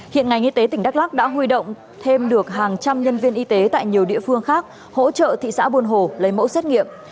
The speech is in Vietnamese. hiện ngành y tế tỉnh đắk lắc đã huy động thêm được hàng trăm nhân viên y tế tại nhiều địa phương khác hỗ trợ thị xã buôn hồ lấy mẫu xét nghiệm